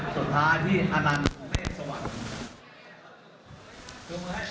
สุดท้ายพี่อานันท์เป้สวรรค์